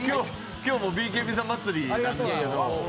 今日はＢＫＢさん祭りで。